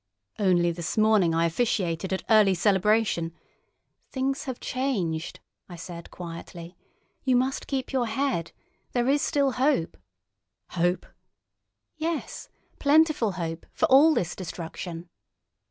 "Only this morning I officiated at early celebration——" "Things have changed," I said, quietly. "You must keep your head. There is still hope." "Hope!" "Yes. Plentiful hope—for all this destruction!"